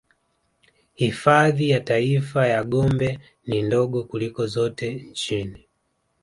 Hifadhi ya Taifa ya Gombe ni ndogo kuliko zote nchini